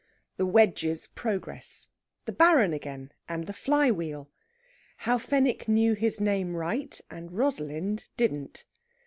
THE WEDGE'S PROGRESS. THE BARON AGAIN, AND THE FLY WHEEL. HOW FENWICK KNEW HIS NAME RIGHT, AND ROSALIND DIDN'T.